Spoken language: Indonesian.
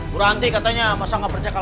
buranti katanya masa gak bercakap